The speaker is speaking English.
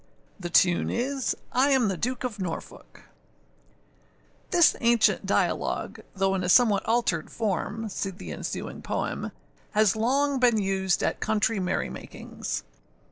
The tune is, I am the Duke of Norfolk. [THIS ancient dialogue, though in a somewhat altered form (see the ensuing poem), has long been used at country merry makings.